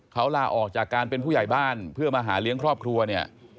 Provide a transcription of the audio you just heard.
เขาลาออกจากการเป็นผู้ใหญ่บ้านเพื่อมาหาเลี้ยงครอบครัวเนี่ย